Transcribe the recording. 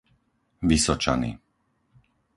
Vysočany